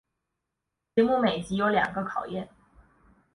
节目每集有两个考验。